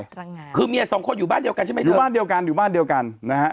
ยังไงคือเมียสองคนอยู่บ้านเดียวกันใช่ไหมที่บ้านเดียวกันอยู่บ้านเดียวกันนะฮะ